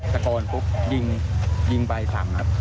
สะกอนปุ๊บยิงยิงใบสั่งครับ